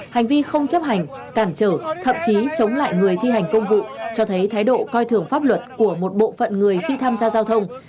hành vi không chấp hành cản trở thậm chí chống lại người thi hành công vụ cho thấy thái độ coi thường pháp luật của một bộ phận người khi tham gia giao thông